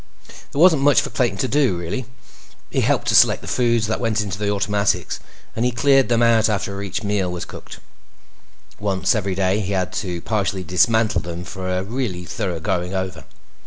There wasn't much for Clayton to do, really. He helped to select the foods that went into the automatics, and he cleaned them out after each meal was cooked. Once every day, he had to partially dismantle them for a really thorough going over.